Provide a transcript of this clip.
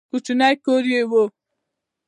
کوچنی کور یې و.